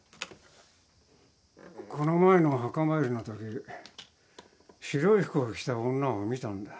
この前の墓参りのとき白い服を着た女を見たんだ。